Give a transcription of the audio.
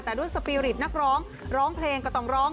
แต่ด้วยสปีริตนักร้องร้องเพลงก็ต้องร้อง